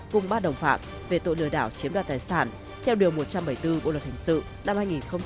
cùng ba đồng phạm về tội lừa đảo chiếm đoạt tài sản theo điều một trăm bảy mươi bốn bộ luật hình sự năm hai nghìn một mươi năm